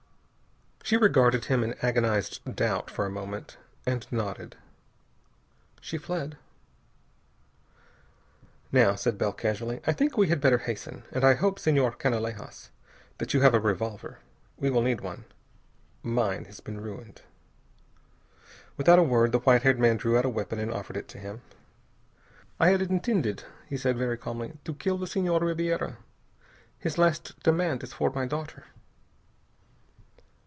She regarded him in agonized doubt for a moment, and nodded. She fled. "Now," said Bell casually, "I think we had better hasten. And I hope, Senhor Canalejas, that you have a revolver. We will need one. Mine has been ruined." Without a word, the white haired man drew out a weapon and offered it to him. "I had intended," he said very calmly, "to kill the Senhor Ribiera. His last demand is for my daughter."